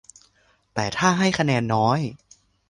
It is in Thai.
แต่ถ้าให้คะแนนน้อย